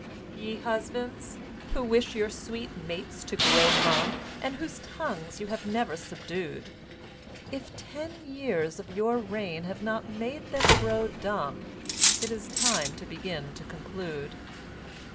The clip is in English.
Ye Husbands, who wish your sweet mates to grow mum, And whose tongues you have never subdued, If ten years of your reign have not made them grow dumb, It is time to begin to conclude.